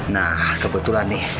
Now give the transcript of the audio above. nah kebetulan nih